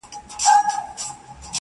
کورنۍ دننه جګړه روانه ده تل-